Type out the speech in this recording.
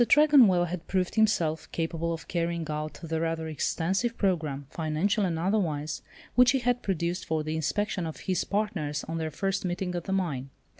Tregonwell had proved himself capable of carrying out the rather extensive programme, financial and otherwise, which he had produced for the inspection of his partners on their first meeting at the mine.